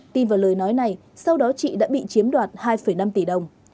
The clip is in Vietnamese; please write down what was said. tin vào lời nói này sau đó chị đã bị chiếm đoạt hai năm tỷ đồng